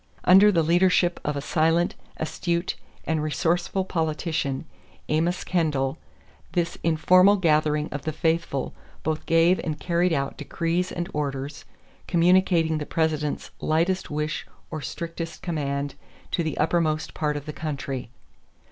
Under the leadership of a silent, astute, and resourceful politician, Amos Kendall, this informal gathering of the faithful both gave and carried out decrees and orders, communicating the President's lightest wish or strictest command to the uttermost part of the country.